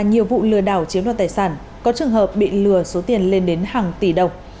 nhiều vụ lừa đảo chiếm đoạt tài sản có trường hợp bị lừa số tiền lên đến hàng tỷ đồng